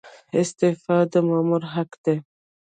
استعفا د مامور حق دی